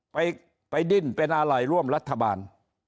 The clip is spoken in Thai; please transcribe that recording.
ไปดิ้นเป็นอะไรร่วมรัฐบาล